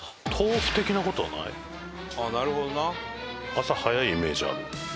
朝早いイメージある。